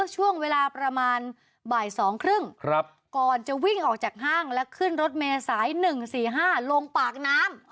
ช่วงเวลาประมาณบ่ายสองครึ่งครับก่อนจะวิ่งออกจากห้างและขึ้นรถเมษายหนึ่งสี่ห้าลงปากน้ำ